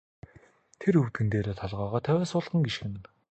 Тэр өвдгөн дээрээ толгойгоо тавиад сулхан гиншинэ.